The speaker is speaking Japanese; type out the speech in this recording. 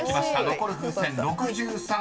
残る風船６３個］